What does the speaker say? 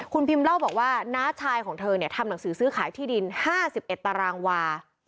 คุณพิมเล่าบอกว่าน้าชายของเธอเนี่ยทำหนังสือซื้อขายที่ดิน๕๑ตารางวา